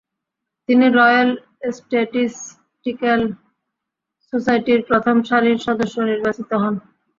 তিনি ‘royal statistical সোসাইটির’ প্রথম সারির সদস্য নির্বাচিত হন।